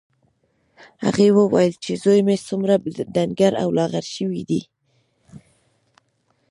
هغې وویل چې زوی مې څومره ډنګر او لاغر شوی دی